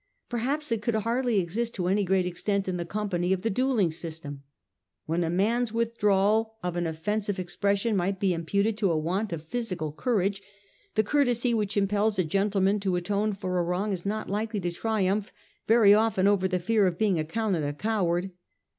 Perhaps it could hardly exist to any great extent in the company of the duelling system. "When a man's withdrawal of an offensive expression might be imputed to a want of physical courage, the courtesy which impels a gentleman to atone for a wrong is not likely to triumph very often over the fear of being accounted a coward.